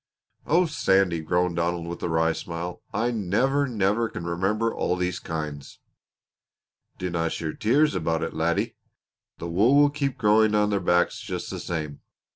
"Oh, Sandy," groaned Donald with a wry smile, "I never, never can remember all these kinds." "Dinna shed tears about it, laddie. The wool will keep growing on their backs just the same.